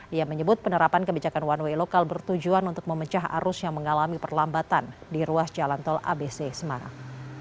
ia menyebut penerapan kebijakan one way lokal bertujuan untuk memecah arus yang mengalami perlambatan di ruas jalan tol abc semarang